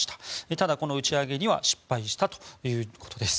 ただ、この打ち上げには失敗したということです。